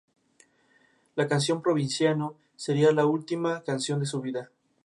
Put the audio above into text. La canción El Provinciano sería la última canción de su vida.